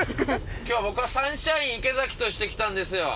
今日僕はサンシャイン池崎として来たんですよ。